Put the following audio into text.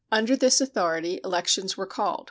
Under this authority elections were called.